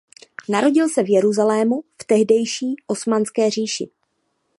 Narodil se v Jeruzalému v tehdejší Osmanské říši.